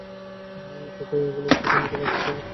এটা দেখে গোলকধাঁধাঁর মতো লাগছে, বাল!